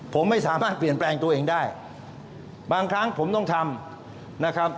ผมไม่สามารถเปลี่ยนแปลงตัวเองได้บางครั้งผมต้องทำนะครับ